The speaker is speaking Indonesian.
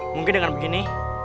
mungkin dengan begini